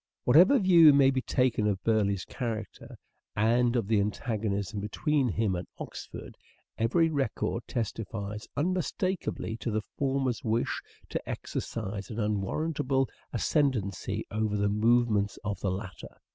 Whatever view may be taken of Burleigh's character, Kicking over and of the antagonism between him and Oxford, every the traces record testifies unmistakably to the former's wish to exercise an unwarrantable ascendancy over the move ments of the latter.